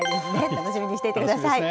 楽しみにしていてください。